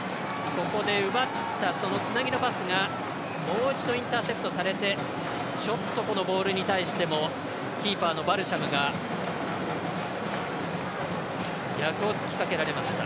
ここで奪ったつなぎのパスがもう一度インターセプトされてちょっと、ボールに対してのキーパーのバルシャムが逆を突きかけられました。